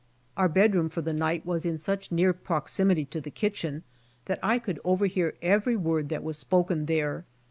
Our bed room for the night was in such near proximity to the kitchen that I could overhear every word that was spoken there.